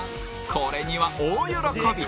これには大喜び！